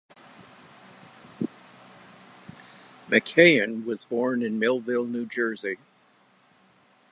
McKeighan was born in Millville, New Jersey.